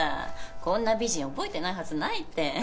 こんな美人覚えてないはずないって！